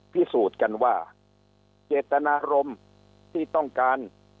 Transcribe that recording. พิสูจน์กันว่าเจตนารมณ์ที่ต้องการ